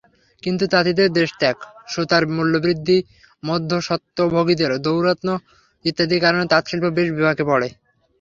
কিন্তু তাঁতিদের দেশত্যাগ, সুতার মূল্যবৃদ্ধি, মধ্যস্বত্বভোগীদের দৌরাত্ম্য ইত্যাদি কারণে তাঁতশিল্প বেশ বিপাকে পড়ে।